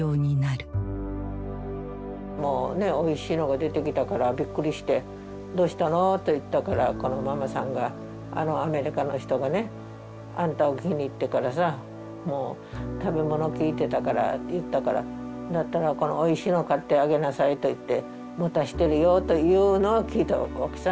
もうねおいしいのが出てきたからびっくりして「どうしたの？」って言ったからこのママさんが「あのアメリカの人がねあんたを気に入ってからさもう食べ物聞いてたから言ったから『だったらこのおいしいのを買ってあげなさい』と言って持たしてるよ」というのを聞いたわけさ。